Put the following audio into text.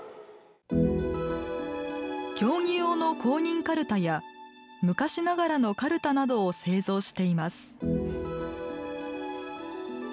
競技用の公認かるたや昔ながらのかるたなどを製造しています。